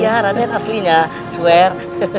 ya raden aslinya swear